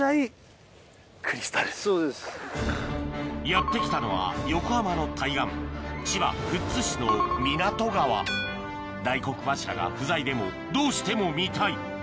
やって来たのは横浜の対岸千葉・富津市の湊川大黒柱が不在でもどうしても見たい！